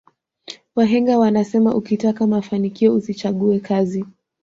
wahenga wanasema ukitaka mafanikio usichague kazi